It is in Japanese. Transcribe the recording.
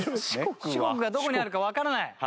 四国がどこにあるかわからない？